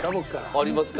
ありますか？